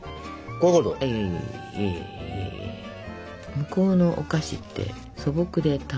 向こうのお菓子って素朴で楽しいね。